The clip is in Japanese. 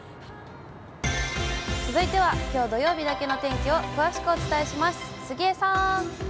続いてはきょう土曜日だけのお天気を詳しくお伝えします。